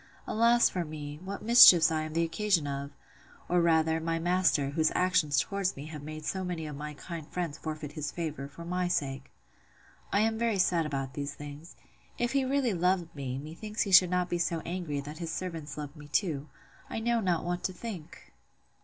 Alas for me! what mischiefs am I the occasion of!—Or, rather, my master, whose actions towards me have made so many of my kind friends forfeit his favour, for my sake! I am very sad about these things: If he really loved me, methinks he should not be so angry, that his servants loved me too.—I know not what to think!